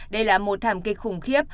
đây là một thảm kích khủng khiếp